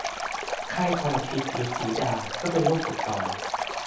ไข้ทรพิษ หรือฝีดาษ ก็เป็นโรคติดต่อ